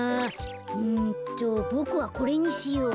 うんとボクはこれにしよう。